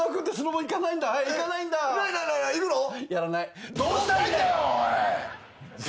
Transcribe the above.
やらない。